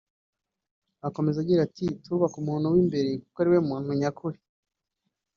Akomeza agira ati “Turubaka umuntu w’imbere kuko ari we muntu nyakuri